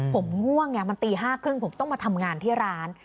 ผมง่วงไงมันตี๕๓๐ผมต้องมาทำงานที่ร้าน